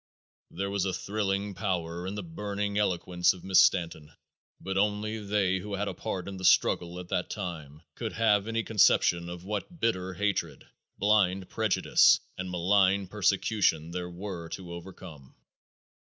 '" There was thrilling power in the burning eloquence of Mrs. Stanton, but only they who had a part in the struggle at that time could have any conception of what bitter hatred, blind prejudice and malign persecution there were to overcome.